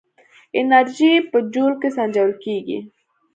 انرژي په جول کې سنجول کېږي.